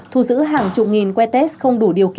thu giữ hàng chục nghìn que test không đủ điều kiện